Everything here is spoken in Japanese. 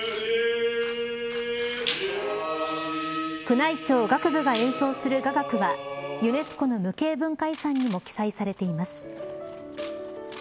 宮内庁楽部が演奏する雅楽はユネスコの無形文化遺産にも記載されています。